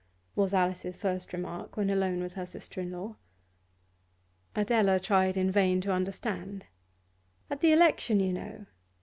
was Alice's first remark, when alone with her sister in law. Adela tried in vain to understand. 'At the election, you know.